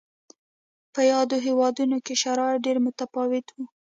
په یادو هېوادونو کې شرایط ډېر متفاوت و.